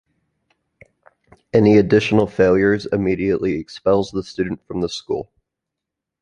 Any additional failures immediately expels the student from the school.